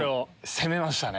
攻めましたね。